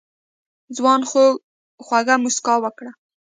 ځوان خوږه موسکا وکړه.